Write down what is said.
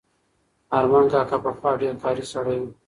ارمان کاکا پخوا ډېر کاري سړی و.